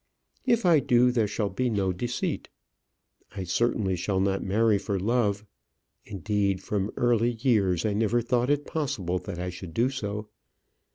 If I do, there shall be no deceit. I certainly shall not marry for love. Indeed, from early years I never thought it possible that I should do so.